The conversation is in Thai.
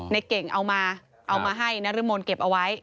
ในเก่งเอามาเอามาให้นรมนเก็บเอาไว้